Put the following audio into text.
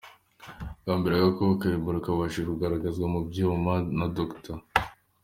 Bwa mbere agakoko ka Ebola kabashije kugaragazwa mu byuma, na Dr.